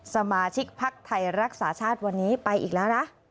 สมาชิกภักดิ์ไทยรักษาชาติวันนี้ไปอีกแล้วนะ